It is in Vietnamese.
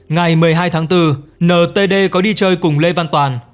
ngày một mươi hai tháng bốn ntd có đi chơi cùng lê văn toàn